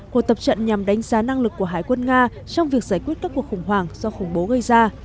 cuộc tập trận nhằm đánh giá năng lực của hải quân nga trong việc giải quyết các cuộc khủng hoảng do khủng bố gây ra